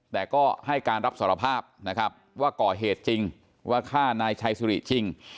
แต่ก็ให้การรับสารภาพนะครับว่าก่อเหตุจริงว่าฆ่านายชัยสุริจริง